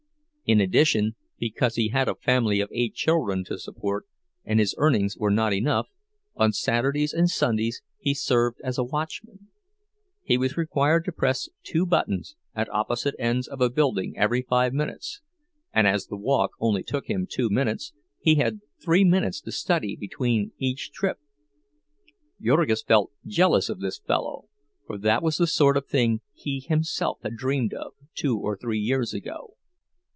In addition, because he had a family of eight children to support and his earnings were not enough, on Saturdays and Sundays he served as a watchman; he was required to press two buttons at opposite ends of a building every five minutes, and as the walk only took him two minutes, he had three minutes to study between each trip. Jurgis felt jealous of this fellow; for that was the sort of thing he himself had dreamed of, two or three years ago.